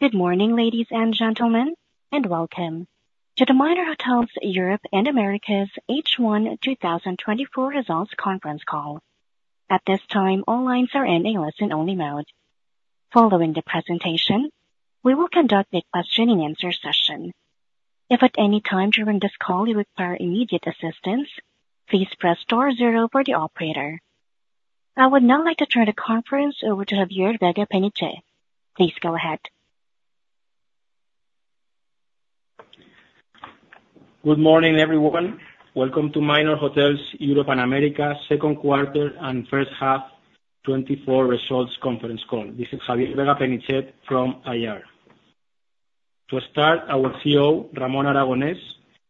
Good morning, ladies and gentlemen, and welcome to the Minor Hotels Europe & Americas H1 2024 Results Conference Call. At this time, all lines are in a listen-only mode. Following the presentation, we will conduct a question-and-answer session. If at any time during this call you require immediate assistance, please press star zero for the operator. I would now like to turn the conference over to Javier Vega-Penichet. Please go ahead. Good morning, everyone. Welcome to Minor Hotels Europe & Americas second quarter and first half 2024 results conference call. This is Javier Vega-Penichet from IR. To start, our CEO, Ramón Aragonés,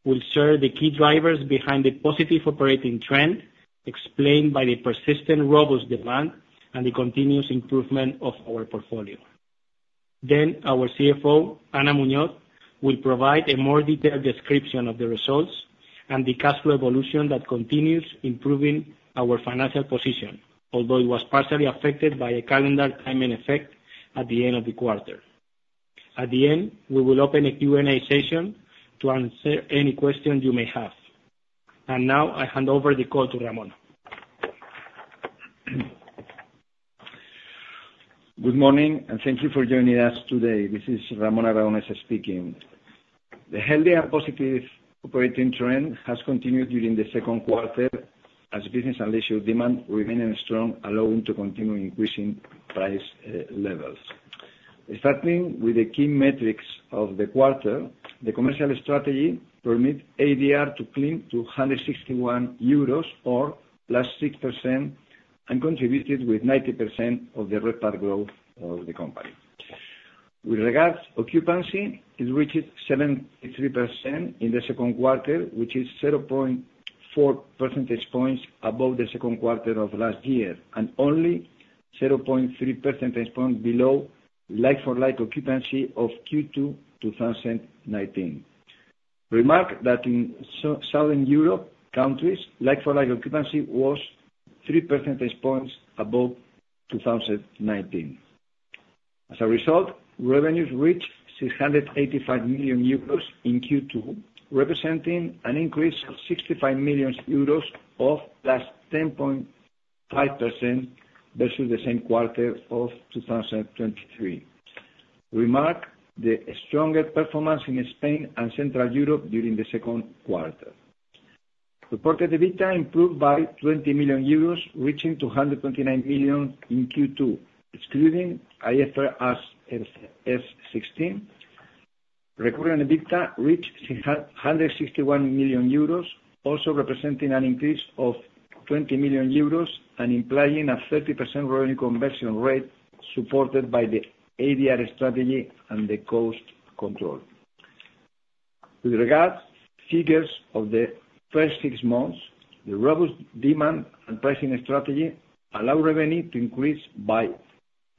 will share the key drivers behind the positive operating trend, explained by the persistent robust demand and the continuous improvement of our portfolio. Then our CFO, Ana Muñoz, will provide a more detailed description of the results and the cash flow evolution that continues improving our financial position, although it was partially affected by a calendar timing effect at the end of the quarter. At the end, we will open a Q&A session to answer any questions you may have. Now, I hand over the call to Ramón. Good morning, and thank you for joining us today. This is Ramón Aragonés speaking. The healthy and positive operating trend has continued during the second quarter as business and leisure demand remaining strong, allowing to continue increasing price, levels. Starting with the key metrics of the quarter, the commercial strategy permit ADR to climb to 161 euros, or +6%, and contributed with 90% of the RevPAR growth of the company. With regards occupancy, it reached 73% in the second quarter, which is 0.4 percentage points above the second quarter of last year, and only 0.3 percentage point below like-for-like occupancy of Q2 2019. Remark that in Southern Europe countries, like-for-like occupancy was 3 percentage points above 2019. As a result, revenues reached 685 million euros in Q2, representing an increase of 65 million euros, or +10.5%, versus the same quarter of 2023. Remarkably, the strongest performance in Spain and Central Europe during the second quarter. Reported EBITDA improved by 20 million euros, reaching 229 million in Q2, excluding IFRS 16. Recurring EBITDA reached 361 million euros, also representing an increase of 20 million euros and implying a 30% revenue conversion rate, supported by the ADR strategy and the cost control. With regards to figures of the first six months, the robust demand and pricing strategy allow revenue to increase by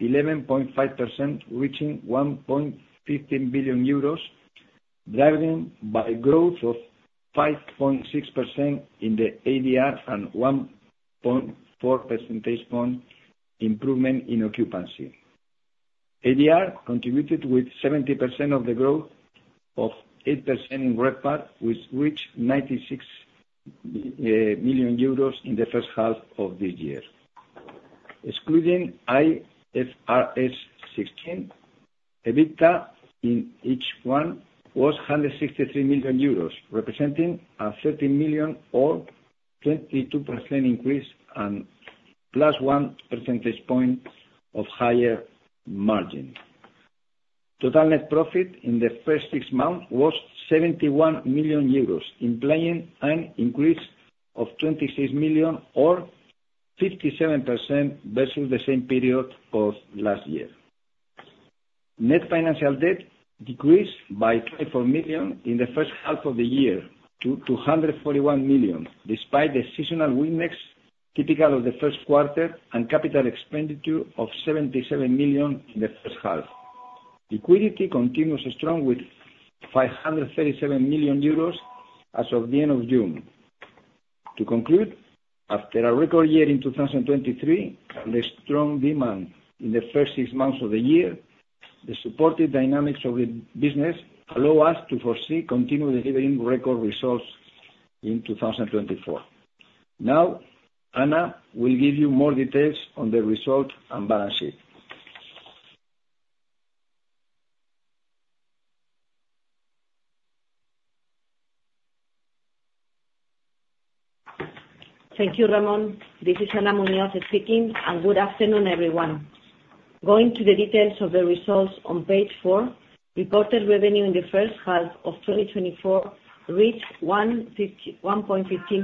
11.5%, reaching 1.15 billion euros, driven by growth of 5.6% in the ADR and 1.4 percentage point improvement in occupancy. ADR contributed with 70% of the growth, of 8% in RevPAR, which reached 96 million euros in the first half of this year. Excluding IFRS 16, EBITDA in H1 was 163 million euros, representing a 30 million or 22% increase and +1 percentage point of higher margin. Total net profit in the first six months was 71 million euros, implying an increase of 26 million or 57% versus the same period of last year. Net financial debt decreased by 24 million in the first half of the year to 241 million, despite the seasonal remix typical of the first quarter, and capital expenditure of 77 million in the first half. Liquidity continues strong, with 537 million euros as of the end of June. To conclude, after a record year in 2023, and the strong demand in the first six months of the year, the supportive dynamics of the business allow us to foresee continued delivering record results in 2024. Now, Ana will give you more details on the result and balance sheet. Thank you, Ramón. This is Ana Muñoz speaking, and good afternoon, everyone. Going to the details of the results on page 4, reported revenue in the first half of 2024 reached 151.15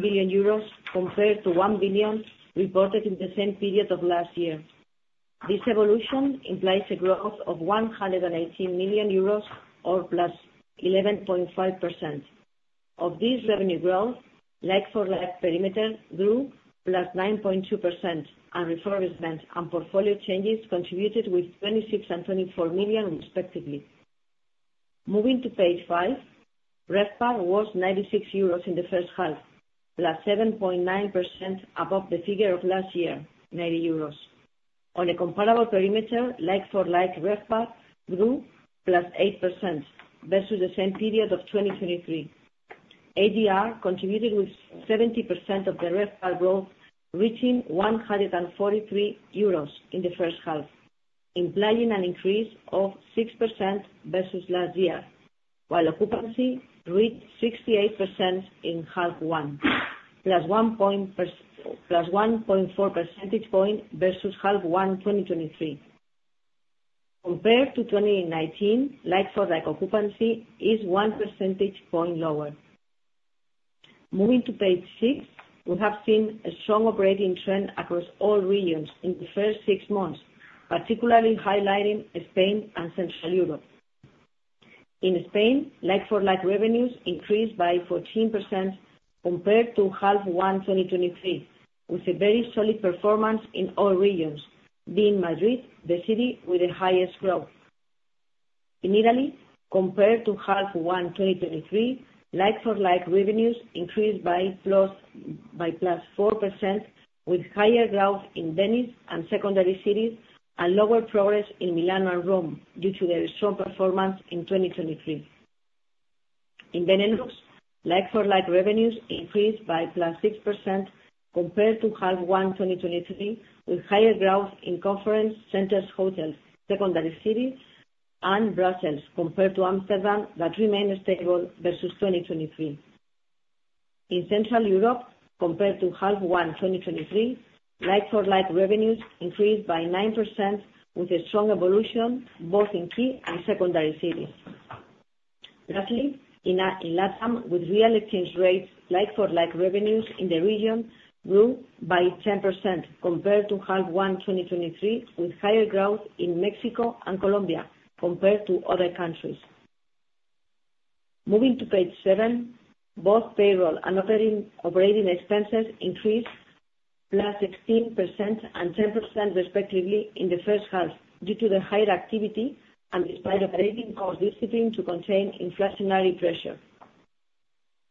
billion euros, compared to 1 billion reported in the same period of last year. This evolution implies a growth of 118 million euros, or +11.5%. Of this revenue growth, like-for-like perimeter grew +9.2%, and refurbishment and portfolio changes contributed with 26 million and 24 million, respectively. Moving to page 5, RevPAR was 96 euros in the first half, +7.9% above the figure of last year, 90 euros. On a comparable perimeter, like-for-like RevPAR grew +8% versus the same period of 2023. ADR contributed with 70% of the RevPAR growth, reaching 143 euros in the first half, implying an increase of 6% versus last year, while occupancy reached 68% in half one, plus one point four percentage point versus half one, 2023. Compared to 2019, like-for-like occupancy is 1 percentage point lower. Moving to page 6, we have seen a strong operating trend across all regions in the first six months, particularly highlighting Spain and Central Europe. In Spain, like-for-like revenues increased by 14% compared to half one, 2023, with a very solid performance in all regions, being Madrid the city with the highest growth. In Italy, compared to H1 2023, like-for-like revenues increased by +4%, with higher growth in Venice and secondary cities, and lower progress in Milano and Rome due to their strong performance in 2023. In Benelux, like-for-like revenues increased by +6% compared to H1 2023, with higher growth in conference centers, hotels, secondary cities, and Brussels compared to Amsterdam, that remained stable versus 2023. In Central Europe, compared to H1 2023, like-for-like revenues increased by 9%, with a strong evolution both in key and secondary cities. Lastly, in LATAM, with real exchange rates, like-for-like revenues in the region grew by 10% compared to H1 2023, with higher growth in Mexico and Colombia compared to other countries. Moving to page 7, both payroll and operating expenses increased +16% and 10% respectively in the first half due to the higher activity and despite operating cost discipline to contain inflationary pressure.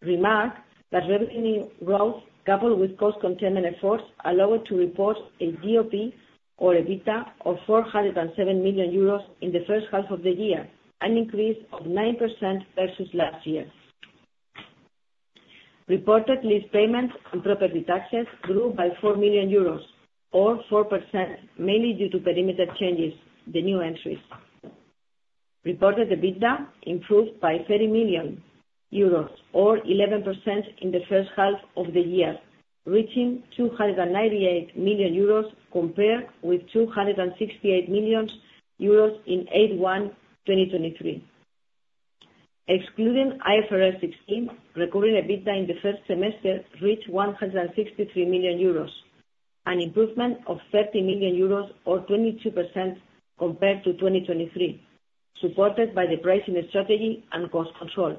Remark that revenue growth, coupled with cost containment efforts, allowed to report a GOP or EBITDA of 407 million euros in the first half of the year, an increase of 9% versus last year. Reported lease payments and property taxes grew by 4 million euros, or 4%, mainly due to perimeter changes, the new entries. Reported EBITDA improved by 30 million euros or 11% in the first half of the year, reaching 298 million euros, compared with 268 million euros in H1 2023. Excluding IFRS 16, recurring EBITDA in the first semester reached 163 million euros, an improvement of 30 million euros or 22% compared to 2023, supported by the pricing strategy and cost control.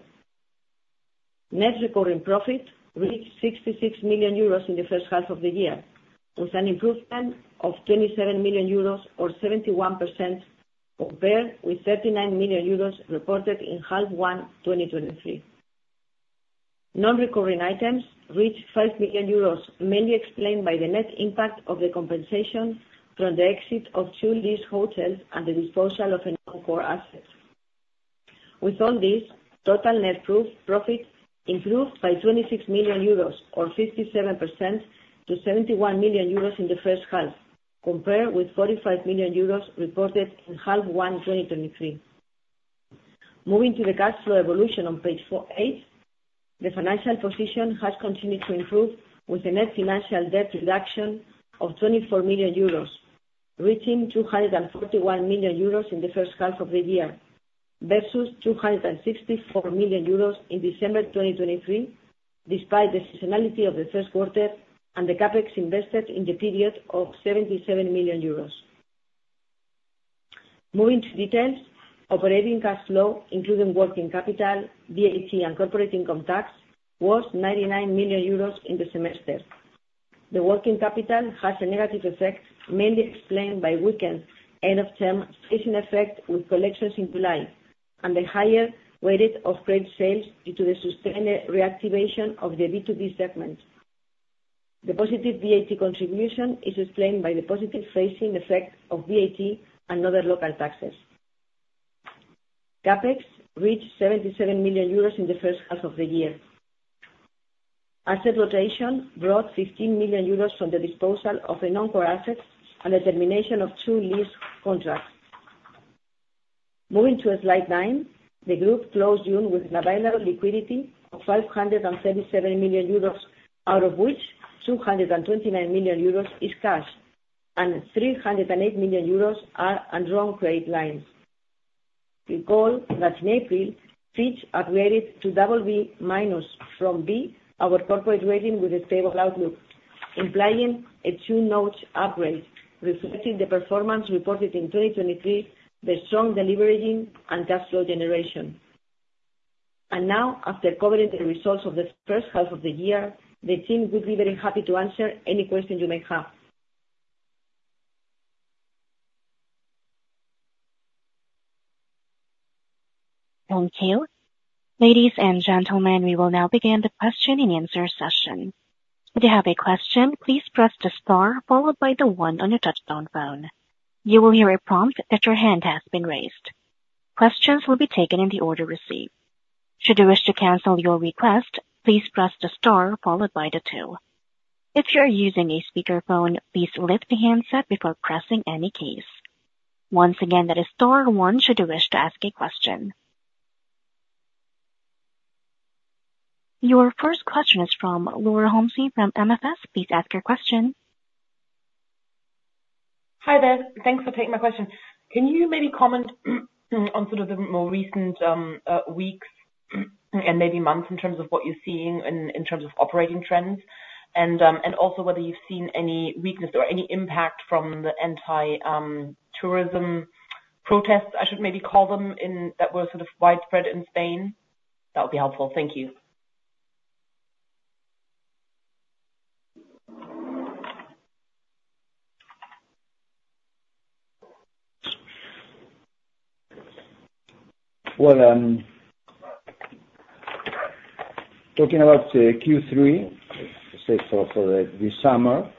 Net recurring profit reached 66 million euros in the first half of the year, with an improvement of 27 million euros or 71%, compared with 39 million euros reported in H1 2023. Non-recurring items reached 5 million euros, mainly explained by the net impact of the compensation from the exit of two leased hotels and the disposal of a non-core asset. With all this, total net profit improved by 26 million euros, or 57%, to 71 million euros in the first half, compared with 45 million euros reported in H1 2023. Moving to the cash flow evolution on page F-8, the financial position has continued to improve with a net financial debt reduction of 24 million euros, reaching 241 million euros in the first half of the year, versus 264 million euros in December 2023, despite the seasonality of the first quarter and the CapEx invested in the period of 77 million euros. Moving to details, operating cash flow, including working capital, VAT, and corporate income tax, was 99 million euros in the semester. The working capital has a negative effect, mainly explained by year-end phasing effect with collections in July, and the higher weighted of late sales due to the sustained reactivation of the B2B segment. The positive VAT contribution is explained by the positive phasing effect of VAT and other local taxes. CapEx reached 77 million euros in the first half of the year. Asset rotation brought 15 million euros from the disposal of a non-core asset and the termination of two lease contracts. Moving to slide 9. The group closed June with available liquidity of 577 million euros, out of which 229 million euros is cash, and 308 million euros are undrawn credit lines. Recall that in April, Fitch upgraded to double B minus from B, our corporate rating, with a stable outlook, implying a 2-notch upgrade, reflecting the performance reported in 2023, the strong delivery, and cash flow generation. And now, after covering the results of the first half of the year, the team will be very happy to answer any questions you may have. Thank you. Ladies and gentlemen, we will now begin the question-and-answer session. If you have a question, please press the star followed by the one on your touchtone phone. You will hear a prompt that your hand has been raised. Questions will be taken in the order received. Should you wish to cancel your request, please press the star followed by the two. If you are using a speakerphone, please lift the handset before pressing any keys. Once again, that is star one, should you wish to ask a question. Your first question is from Laura Homsy from MFS. Please ask your question. Hi there. Thanks for taking my question. Can you maybe comment on sort of the more recent weeks and maybe months in terms of what you're seeing in terms of operating trends? And also whether you've seen any weakness or any impact from the anti-tourism protests, I should maybe call them, that were sort of widespread in Spain. That would be helpful. Thank you. Well, talking about Q3, as for this summer,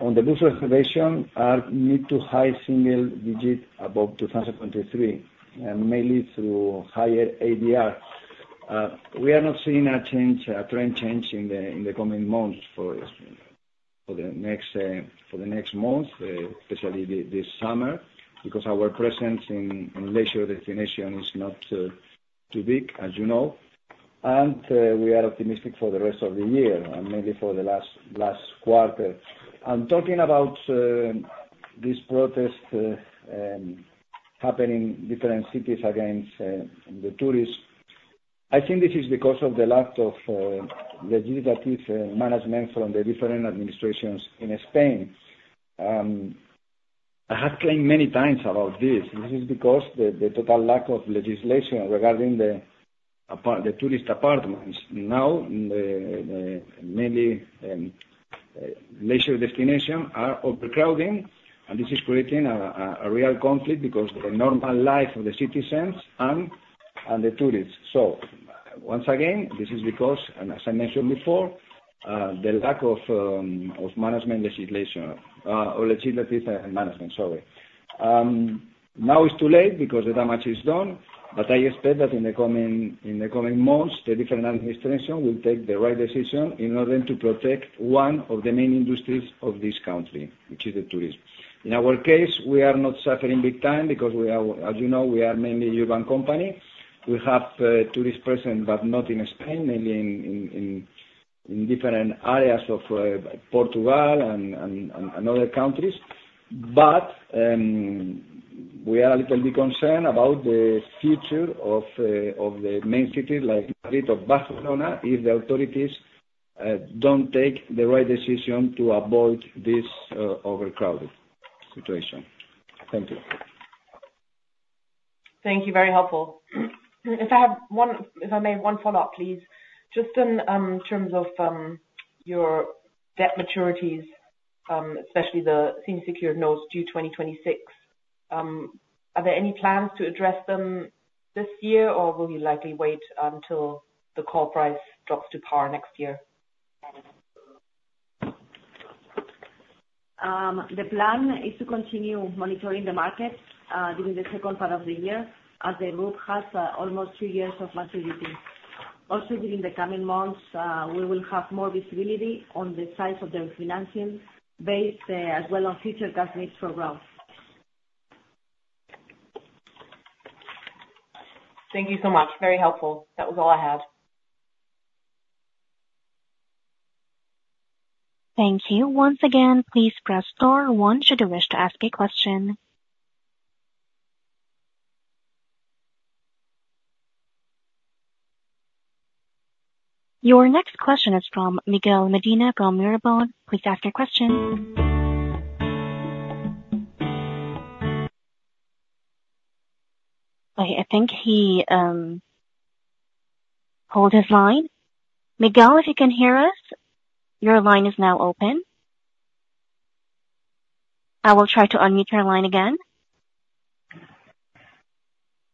on the reservations are mid- to high-single-digit above 2023, and mainly through higher ADR. We are not seeing a change, a trend change in the coming months for the next months, especially this summer, because our presence in leisure destinations is not too big, as you know, and we are optimistic for the rest of the year and maybe for the last quarter. Talking about this protest happening in different cities against the tourists. I think this is because of the lack of legislative management from the different administrations in Spain. I have claimed many times about this, and this is because the total lack of legislation regarding the tourist apartments. Now, the mainly leisure destination are overcrowding, and this is creating a real conflict because the normal life of the citizens and the tourists. So once again, this is because, and as I mentioned before, the lack of management legislation or legislative management, sorry. Now it's too late because the damage is done, but I expect that in the coming months, the different administration will take the right decision in order to protect one of the main industries of this country, which is the tourism. In our case, we are not suffering big time because we are, as you know, we are mainly urban company. We have tourist protests, but not in Spain, mainly in different areas of Portugal and other countries. But we are a little bit concerned about the future of the main cities like Madrid or Barcelona, if the authorities don't take the right decision to avoid this overcrowded situation. Thank you. Thank you. Very helpful. If I may, one follow-up, please. Just on terms of your debt maturities, especially the senior secured notes due 2026, are there any plans to address them this year, or will you likely wait until the call price drops to par next year? The plan is to continue monitoring the market during the second part of the year, as the group has almost two years of maturity. Also, during the coming months, we will have more visibility on the size of the refinancing base, as well as future cash needs for growth. Thank you so much. Very helpful. That was all I had. Thank you. Once again, please press star one should you wish to ask a question. Your next question is from Miguel Medina from Mirabaud. Please ask your question. I think he hold his line. Miguel, if you can hear us, your line is now open. I will try to unmute your line again.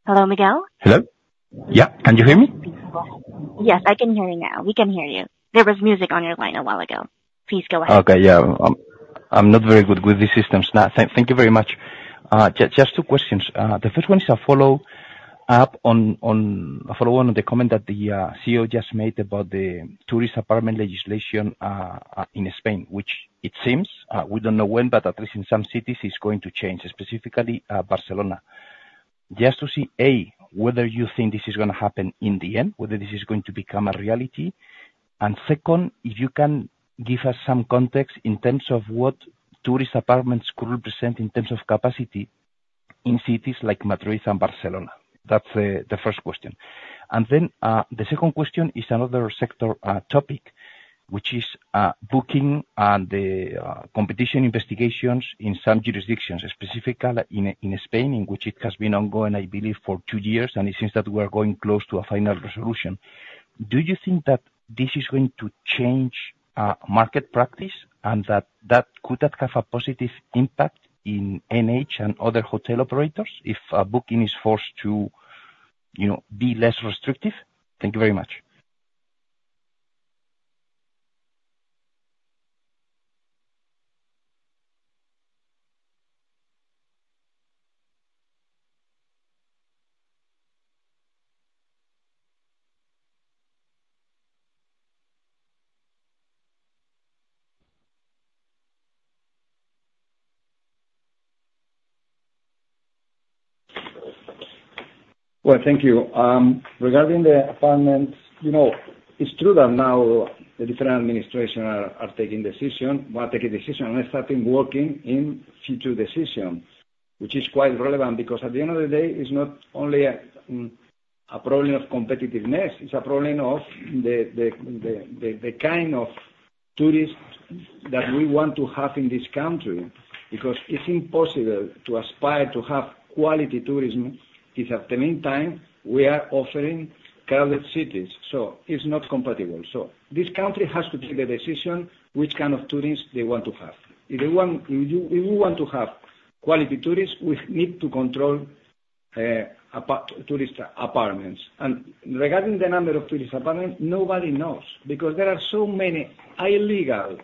Hello, Miguel? Hello? Yeah, can you hear me? Yes, I can hear you now. We can hear you. There was music on your line a while ago. Please go ahead. Okay. Yeah. I'm not very good with these systems. Now, thank you very much. Just two questions. The first one is a follow-up on a follow-on to the comment that the CEO just made about the tourist apartment legislation in Spain, which it seems we don't know when, but at least in some cities, it's going to change, specifically Barcelona. Just to see, A, whether you think this is gonna happen in the end, whether this is going to become a reality. And second, if you can give us some context in terms of what tourist apartments could represent in terms of capacity in cities like Madrid and Barcelona. That's the first question. And then, the second question is another sector topic, which is booking and the competition investigations in some jurisdictions, specifically in Spain, in which it has been ongoing, I believe, for two years, and it seems that we are going close to a final resolution. Do you think that this is going to change market practice and that could have a positive impact in NH and other hotel operators, if Booking is forced to, you know, be less restrictive? Thank you very much. Well, thank you. Regarding the apartments, you know, it's true that now the different administration are taking decision, but taking decision and starting working in future decision, which is quite relevant, because at the end of the day, it's not only a problem of competitiveness, it's a problem of the kind of tourists that we want to have in this country. Because it's impossible to aspire to have quality tourism, if at the meantime, we are offering crowded cities, so it's not compatible. So this country has to take a decision, which kind of tourists they want to have. If they want—if you want to have quality tourists, we need to control tourist apartments. And regarding the number of tourist apartment, nobody knows, because there are so many illegal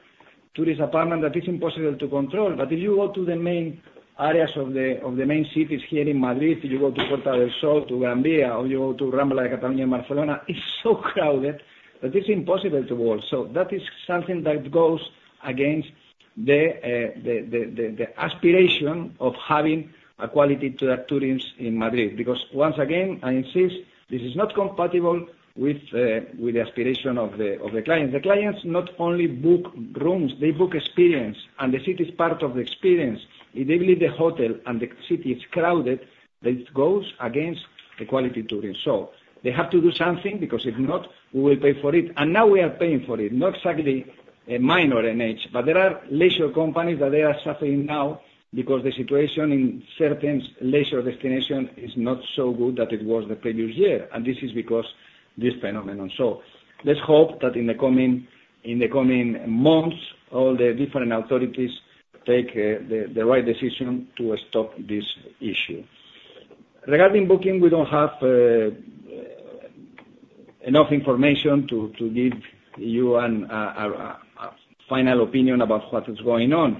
tourist apartment, that it's impossible to control. But if you go to the main areas of the main cities here in Madrid, you go to Puerta del Sol, to Gran Vía, or you go to Rambla de Catalunya in Barcelona, it's so crowded that it's impossible to walk. So that is something that goes against the aspiration of having a quality tourism in Madrid. Because once again, I insist, this is not compatible with the aspiration of the client. The clients not only book rooms, they book experience, and the city is part of the experience. If they leave the hotel and the city is crowded, that goes against the quality tourism. So they have to do something, because if not, we will pay for it. And now we are paying for it, not exactly a minor NH, but there are leisure companies that they are suffering now, because the situation in certain leisure destination is not so good that it was the previous year, and this is because this phenomenon. So let's hope that in the coming months, all the different authorities take the right decision to stop this issue. Regarding Booking, we don't have enough information to give you a final opinion about what is going on.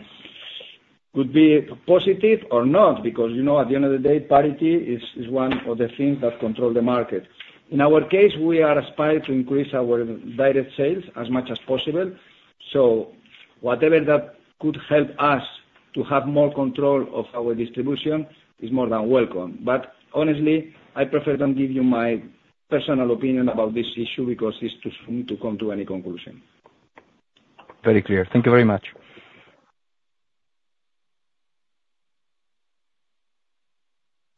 Could be positive or not, because, you know, at the end of the day, parity is one of the things that control the market. In our case, we are aspiring to increase our direct sales as much as possible, so whatever that could help us to have more control of our distribution is more than welcome. But honestly, I prefer not give you my personal opinion about this issue, because it's too soon to come to any conclusion. Very clear. Thank you very much.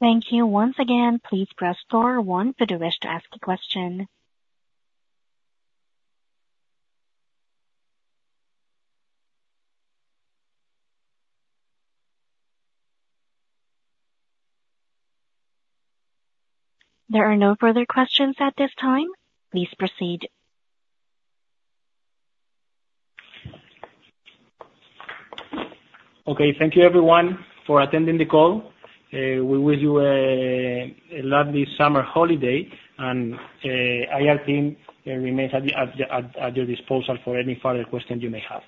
Thank you. Once again, please press star one if you wish to ask a question. There are no further questions at this time. Please proceed. Okay. Thank you everyone for attending the call. We wish you a lovely summer holiday, and IR team remains at your disposal for any further questions you may have.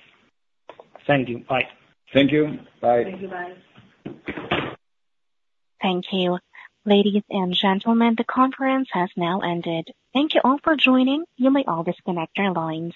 Thank you. Bye. Thank you. Bye. Thank you. Bye. Thank you. Ladies and gentlemen, the conference has now ended. Thank you all for joining. You may all disconnect your lines.